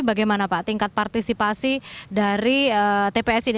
bagaimana pak tingkat partisipasi dari tps ini